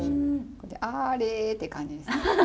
あれって感じですよね。